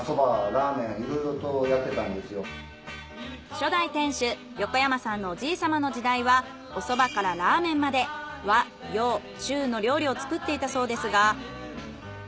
初代店主横山さんのおじい様の時代はおそばからラーメンまで和・洋・中の料理を作っていたそうですが。